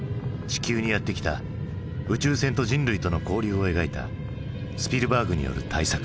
地球にやって来た宇宙船と人類との交流を描いたスピルバーグによる大作。